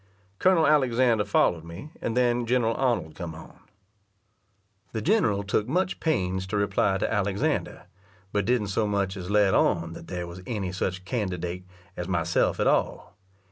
Colonel Alexander followed me, and then General Arnold come on. The general took much pains to reply to Alexander, but didn't so much as let on that there was any such candidate as myself at all.